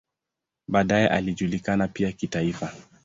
Baadaye alijulikana pia kitaifa.